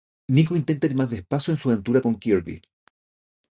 Nico intenta ir más despacio en su aventura con Kirby.